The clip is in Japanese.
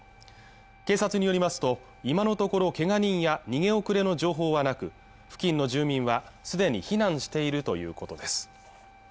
警察によりますと今のところけが人や逃げ遅れの情報はなく付近の住民はすでに避難しているということです